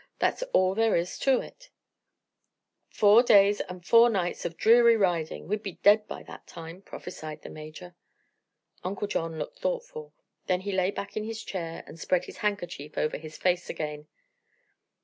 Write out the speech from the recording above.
That's all there is to it." "Four days and four nights of dreary riding. We'd be dead by that time," prophesied the Major. Uncle John looked thoughtful. Then he lay back in his chair and spread his handkerchief over his face again.